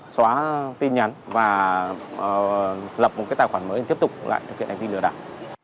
xóa tin nhắn và lập một cái tài khoản mới để tiếp tục lại thực hiện hành vi lừa đảo